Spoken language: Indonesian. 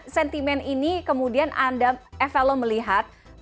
sentimen ini kemudian anda evalo melihat